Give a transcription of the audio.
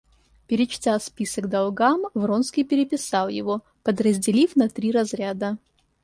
Перечтя список долгам, Вронский переписал его, подразделив на три разряда.